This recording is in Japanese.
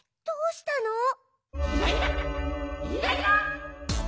どうしたの！？